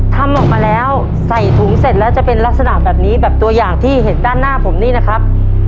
ทำออกมาแล้วใส่ถุงเสร็จแล้วจะเป็นลักษณะแบบนี้แบบตัวอย่างที่เห็นด้านหน้าผมนี่นะครับ